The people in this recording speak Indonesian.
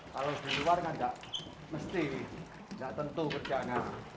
kalau di luar kan nggak mesti nggak tentu kerjaan